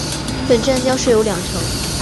本站将设有两层。